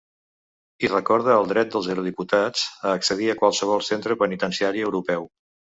I recorda el dret dels eurodiputats a accedir a qualsevol centre penitenciari europeu.